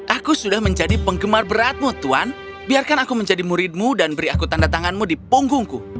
aku sudah menjadi penggemar beratmu tuan biarkan aku menjadi muridmu dan beri aku tanda tanganmu di punggungku